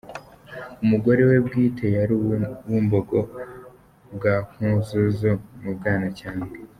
Umugore we bwite yari uw’i Bumbogo bwa Nkuzuzu mu Bwanacyambwe.